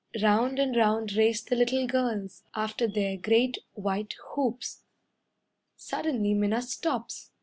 Round and round race the little girls After their great white hoops. Suddenly Minna stops.